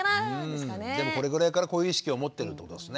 でもこれぐらいからこういう意識を持ってるってことですね。